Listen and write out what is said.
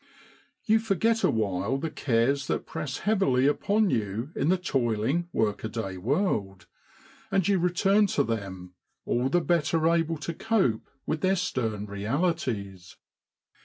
You forget awhile the cares that press heavily upon you in the toiling work a day world, and you return to them all the better able to cope with their stern realities.